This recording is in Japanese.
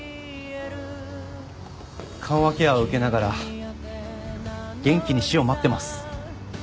緩和ケアを受けながら元気に死を待ってます。